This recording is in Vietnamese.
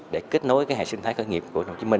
để kết nối hệ sinh thái khởi nghiệp của tp hcm